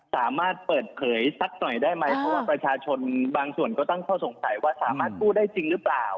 สามารถเปิดเผยสักหน่อยได้ไหมเพราะว่าประชาชนบางส่วนก็ตั้งข้อสงสัยว่าสามารถกู้ได้จริงหรือเปล่า